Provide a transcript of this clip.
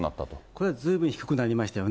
これ、ずいぶん低くなりましたよ。